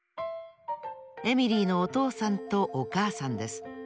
エミリーのおとうさんとおかあさんです。